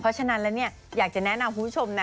เพราะฉะนั้นแล้วเนี่ยอยากจะแนะนำคุณผู้ชมนะ